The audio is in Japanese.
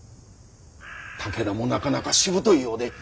武田もなかなかしぶといようで。